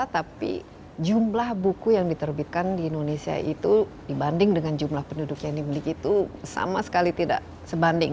tapi jumlah buku yang diterbitkan di indonesia itu dibanding dengan jumlah penduduk yang dibeli itu sama sekali tidak sebanding